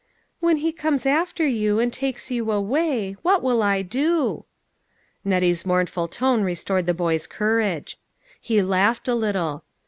" When he comes after you and takes you away, what will I do ?" Nettie's mournful tone restored the boy's cour age. He laughed a little.